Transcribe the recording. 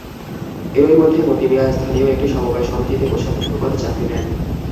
এরই মধ্যে মতি মিয়া স্থানীয় একটি সমবায় সমিতিতে কোষাধ্যক্ষ পদে চাকরি নেন।